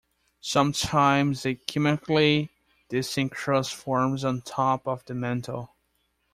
Sometimes a chemically distinct crust forms on top of the mantle.